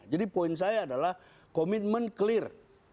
jadi poin saya adalah komitmen clear